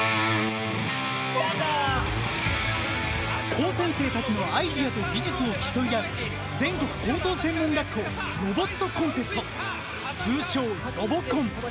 高専生たちのアイデアと技術を競い合う全国高等専門学校ロボットコンテスト通称ロボコン。